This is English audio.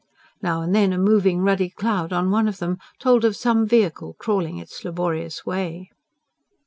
Now and then a moving ruddy cloud on one of them told of some vehicle crawling its laborious way.